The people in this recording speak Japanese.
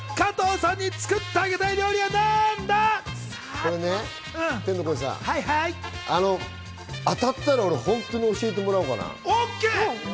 これね、天の声さん、当たったら本当に教えてもらおうかな。